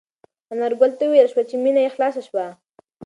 انارګل ته وویل شول چې مېنه یې خلاصه شوه.